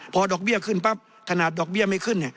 พอดอกเบี้ยขึ้นปั๊บขนาดดอกเบี้ยไม่ขึ้น